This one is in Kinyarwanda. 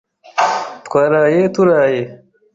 Twaraye turaye.